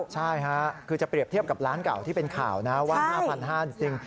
ใช่ค่ะคือจะเปรียบเทียบกับร้านเก่าที่เป็นข่าวนะว่า๕๕๐๐จริง